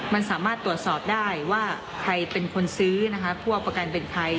มันสามารถตรวจสอบได้ว่าใครเป็นคนซื้อนะคะผู้เอาประกันเป็นใคร